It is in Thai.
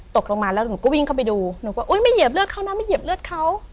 ตกลงมาแล้วหนูก็วิ่งเข้าไปดูหนูก็อุ๊ยไม่เหยียบเลือดเขานะไม่เหยียบเลือดเขา